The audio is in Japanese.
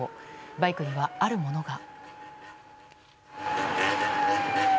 バイクにはあるものが。